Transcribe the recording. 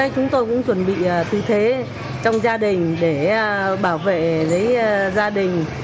chúng tôi cũng chuẩn bị tư thế trong gia đình để bảo vệ lấy gia đình